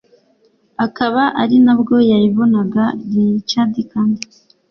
akaba ari nabwo yabonanye na Richard Kandt